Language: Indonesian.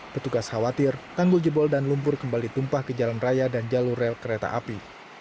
petugas khawatir tanggul jebol dan lumpur kembali tumpah ke jalan raya dan jalur rel kereta api